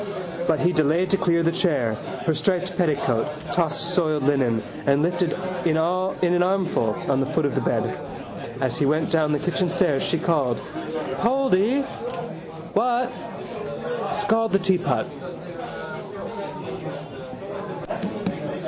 But he delayed to clear the chair: her striped petticoat, tossed soiled linen: and lifted all in an armful on to the foot of the bed. As he went down the kitchen stairs she called: —Poldy! —What? —Scald the teapot.